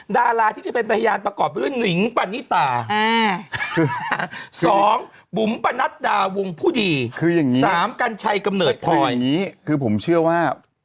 ๒บุ๋มประณัสดาวุงผู้ดี๓กัญชัยเก็บเหนือต้อย